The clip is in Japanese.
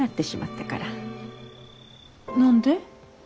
何で？